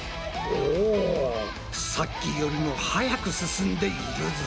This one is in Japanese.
おさっきよりも速く進んでいるぞ。